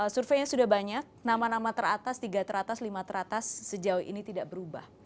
surveinya sudah banyak nama nama teratas tiga teratas lima teratas sejauh ini tidak berubah